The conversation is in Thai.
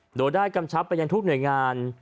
โดยได้กำชับไปยังทุกหน่วยงาน